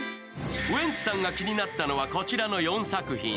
ウエンツさんが気になったのはこちらの４作品。